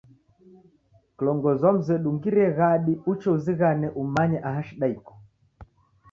Kilongozi wa mzedu ungirie ghadi uche uzighane umanye aha shida iko.